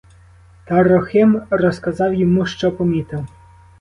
Трохим розказав йому, що помітив.